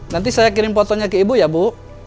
nanti saya kirim fotonya ke ibu ya bu